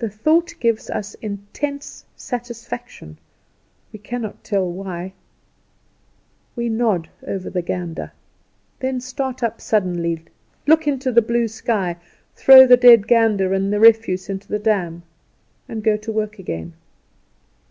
The thought gives us intense satisfaction, we cannot tell why. We nod over the gander; then start up suddenly, look into the blue sky, throw the dead gander and the refuse into the dam, and go to work again.